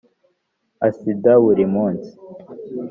asinda buri munsi.